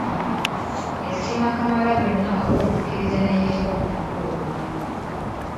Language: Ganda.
Yasiima Kamalabyonna olw’okukkiriza ne yeetaba ku mukolo guno.